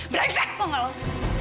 brengsek kau gak tahu